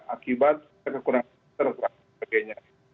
akibat kekurangan booster dan sebagainya